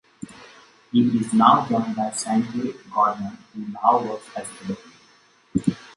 He is now joined by Stanley Goodman who now works as the deputy.